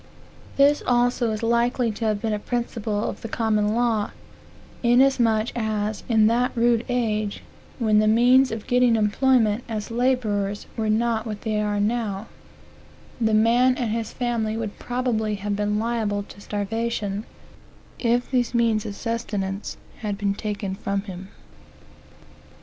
This also is likely to have been a principle of the common law, inasmuch as, in that rude age, when the means of gettin employment as laborers were not what they are now, the man and his family would probably have been liable to starvation, if these means of subsistence had been taken from him.